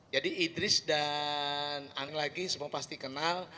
jadi idris dan anang lagi semua pasti kenal